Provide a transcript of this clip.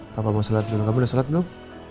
bapak mau sholat dulu kamu udah sholat belum